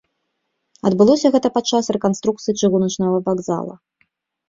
Адбылося гэта падчас рэканструкцыі чыгуначнага вакзала.